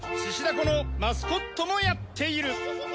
このマスコットもやっている。